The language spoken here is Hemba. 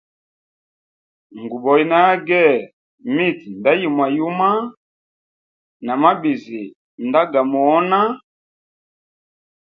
Nguboya nage miti nda yimwayuma na mabizi nda ga muhona.